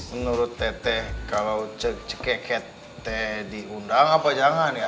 menurut teteh kalau cekeket teh diundang apa jangan ya